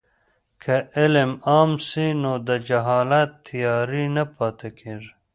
که علم عام سي نو د جهالت تیارې نه پاتې کېږي.